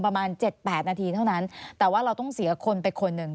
ประมาณเจ็ดแปดนาทีเท่านั้นแต่ว่าเราต้องเสียคนไปคนหนึ่ง